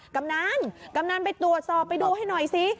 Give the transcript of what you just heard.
กำนันกำนันไปตรวจสอบไปดูให้หน่อยสิ